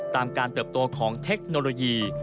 ตามการเติบโตของเทคโนโลยี